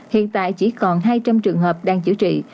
hiện tại chỉ còn hai trăm linh trường hợp đang chữa trị